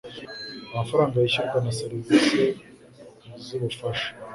amafaranga yishyurwa na serivisi z ubufasha